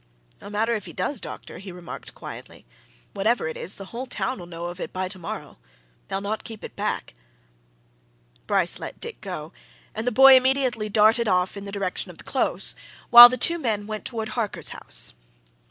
"No matter if he does, doctor," he remarked quietly. "Whatever it is, the whole town'll know of it by tomorrow. They'll not keep it back." Bryce let Dick go, and the boy immediately darted off in the direction of the close, while the two men went towards Harker's house.